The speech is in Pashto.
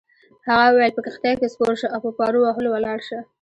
هغه وویل: په کښتۍ کي سپور شه او په پارو وهلو ولاړ شه.